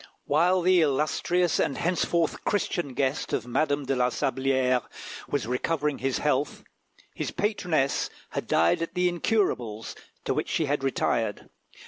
While the illustrious and henceforth Christian guest of Madame de la Sablière was recovering his health, his patroness had died at the Incurables, to which she had retired.